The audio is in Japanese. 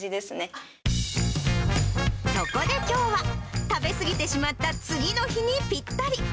そこできょうは、食べ過ぎてしまった次の日にぴったり。